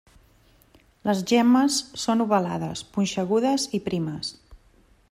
Les gemmes són ovalades, punxegudes i primes.